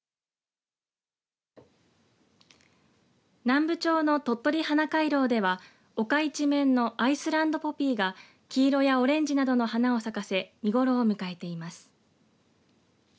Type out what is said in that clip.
南部町のとっとり花回廊では、丘一面のアイスランドポピーが黄色やオレンジなどの花を咲かせ見頃を迎えています。